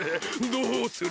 どうする？